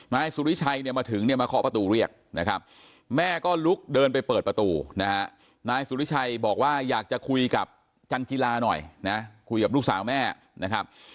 นายสุริชัยเนี่ยมาถึงเนี่ยมาเคาะประตูเรียกนะครับแม่ก็ลุกเดินไปเปิดประตูนะฮะนายสุริชัยบอกว่าอยากจะคุยกับจันจิลาหน่อยนะคุยกับลูกสาวแม่นะครับ